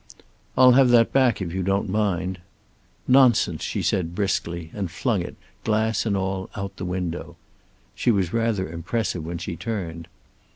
"I'll have that back, if you don't mind." "Nonsense," she said briskly, and flung it, glass and all, out of the window. She was rather impressive when she turned.